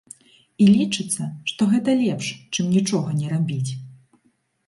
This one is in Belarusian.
І лічыцца, што гэта лепш, чым нічога не рабіць.